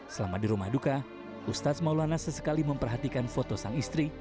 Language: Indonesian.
selama di rumah duka ustaz maulana sesekali memperhatikan foto sang istri